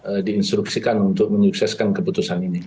kita harus menginstruksikan untuk menyukseskan keputusan ini